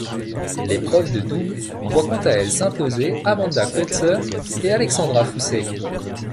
L'épreuve de double voit quant à elle s'imposer Amanda Coetzer et Alexandra Fusai.